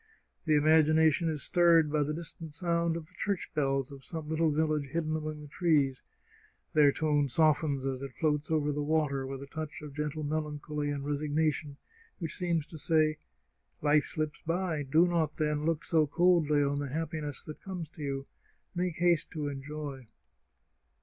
The imagination is stirred by the distant sound of the church bells of some little village hidden among the trees. Their tone softens as it floats over the water, with a touch of gentle melancholy and resignation, which seems to say, ' Life slips by. Do not, then, look so coldly on the happiness that comes to you. Make haste to enjoy.'